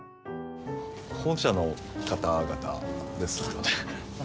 本社の方々ですよね？